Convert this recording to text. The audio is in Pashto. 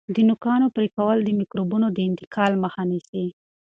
د نوکانو پرې کول د میکروبونو د انتقال مخه نیسي.